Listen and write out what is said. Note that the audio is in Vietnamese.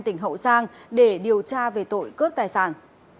tỉnh hậu giang để điều tra về tội cướp tài sản